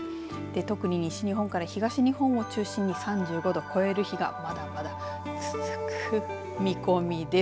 特に西日本から東日本を中心に３５度を超える日がまだまだ続く見込みです。